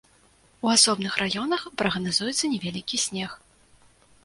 У асобных раёнах прагназуецца невялікі снег.